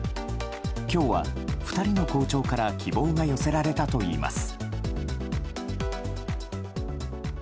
今日は２人の校長から希望が寄せられたといいます。